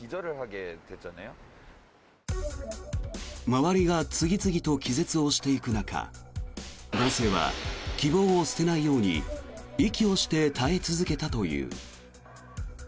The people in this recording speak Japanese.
周りが次々と気絶をしていく中男性は、希望を捨てないように息をして耐え続けたという。